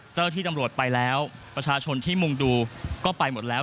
เจ้าหน้าที่ตำรวจไปแล้วประชาชนที่มุ่งดูก็ไปหมดแล้ว